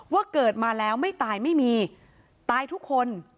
เกิดมาแล้วไม่ตายไม่มีตายทุกคน